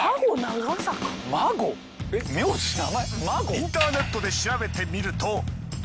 インターネットで調べてみると。